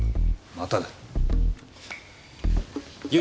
まただよ。